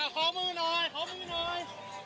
คอมือน้อยคอมือน้อย